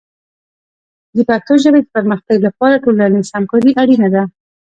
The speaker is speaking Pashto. د پښتو ژبې د پرمختګ لپاره ټولنیز همکاري اړینه ده.